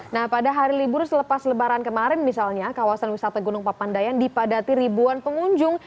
nah pada hari libur selepas lebaran kemarin misalnya kawasan wisata gunung papandayan dipadati ribuan pengunjung